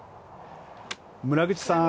村口さん